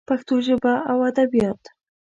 پښتو ژبه او ادبیات